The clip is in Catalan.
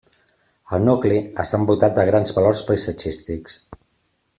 El nucli està envoltat de grans valors paisatgístics.